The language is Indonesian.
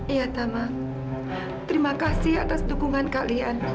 iya tama terima kasih atas dukungan kalian